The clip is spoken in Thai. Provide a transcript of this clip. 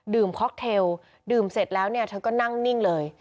ค็อกเทลดื่มเสร็จแล้วเนี่ยเธอก็นั่งนิ่งเลย